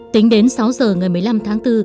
tính đến sáu giờ ngày một mươi năm tháng bốn